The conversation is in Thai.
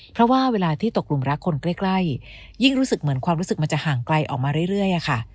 เพราะว่าเวลาที่ตกกลุ่มรักคนใกล้ยิ่งรู้สึกเหมือนความรู้สึกมันจะห่างไกลออกมาเรื่อยค่ะ